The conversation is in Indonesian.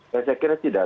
saya kira tidak